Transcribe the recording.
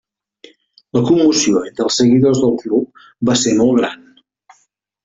La commoció entre els seguidors del club va ser molt gran.